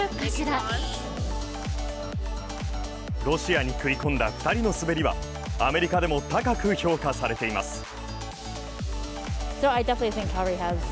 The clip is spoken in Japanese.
ロシアに食い込んだ２人の滑りはアメリカでも高く評価されています。